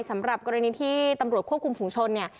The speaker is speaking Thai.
สำหรับกรณีที่ตำรวจควบคุมฝุงชนเนี่ย